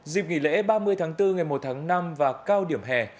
dịp nghỉ lễ ba mươi tháng bốn ngày một tháng năm và cao điểm hè